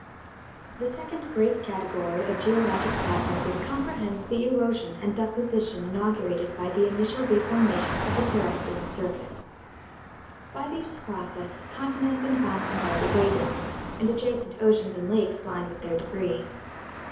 The second great category of geologic processes comprehends the erosion and deposition inaugurated by the initial deformation of the terrestrial surface. By these processes continents and mountains are degraded, and adjacent oceans and lakes lined with their debris.